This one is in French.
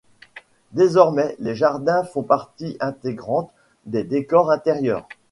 Désormais, les jardins font partie intégrante des décors intérieurs.